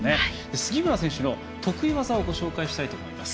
杉村選手の得意技をご紹介したいと思います。